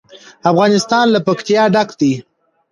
افغانستان له پکتیا ډک دی.